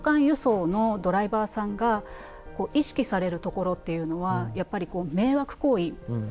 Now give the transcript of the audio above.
輸送のドライバーさんが意識されるところっていうのはやっぱりこう迷惑行為。